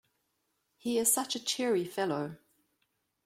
He is such a cheery fellow.